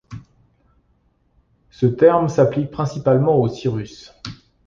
Ce terme s'applique principalement aux cirrus.